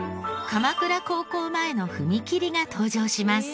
鎌倉高校前の踏切が登場します。